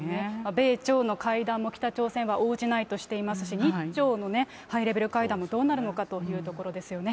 米朝の会談も北朝鮮は応じないとしていますし、日朝のね、ハイレベル会談もどうなるのかというところですよね。